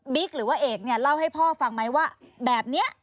หรือว่าเอกเนี่ยเล่าให้พ่อฟังไหมว่าแบบนี้